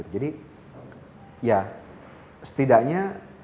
jadi ya setidaknya